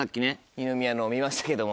二宮のを見ましたけども。